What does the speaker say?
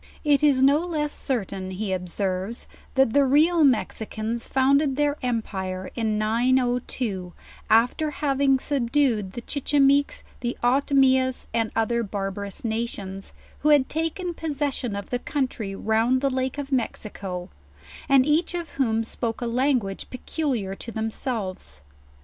It is no less certain, he ob serves, that the real Mexicans founded their empire in 902, after having subdued the Chichimeques, the Otomias, and other barbarous' nations, who had taken possession of the country round the lake of Mexico, and each of whom spoke a language peculiar to themselves.